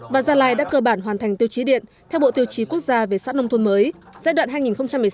và gia lai đã cơ bản hoàn thành tiêu chí điện theo bộ tiêu chí quốc gia về xã nông thôn mới giai đoạn hai nghìn một mươi sáu hai nghìn hai mươi